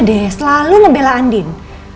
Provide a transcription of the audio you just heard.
udah deh selalu membela andin